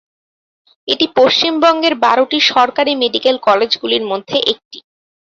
এটি পশ্চিমবঙ্গের বারোটি সরকারি মেডিকেল কলেজগুলির মধ্যে একটি।